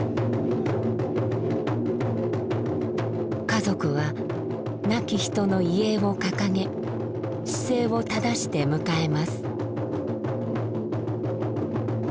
家族は亡き人の遺影を掲げ姿勢を正して迎えます。